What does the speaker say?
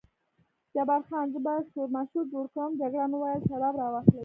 جبار خان: زه به شورماشور جوړ کړم، جګړن وویل شراب را واخلئ.